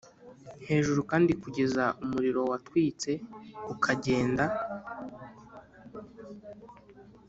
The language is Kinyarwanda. hejuru kandi kugeza umuriro watwitse ukagenda